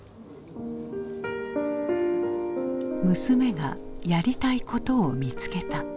娘がやりたいことを見つけた。